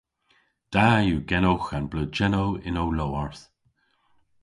Da yw genowgh an bleujennow yn ow lowarth.